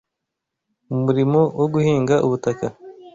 Mu murimo wo guhinga ubutaka